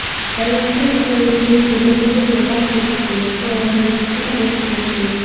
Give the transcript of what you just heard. بايامقى گۈزەللىكى، گىرىملىرى يوقاپ كېتىپتۇ، كۆڭلۈم بىرقىسما بولۇپ كەتتى.